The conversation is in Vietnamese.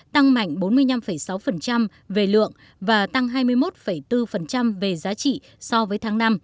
tăng mạnh bốn mươi năm sáu về lượng và tăng hai mươi một bốn về giá trị so với tháng năm